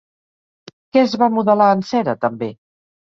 Què es va modelar en cera també?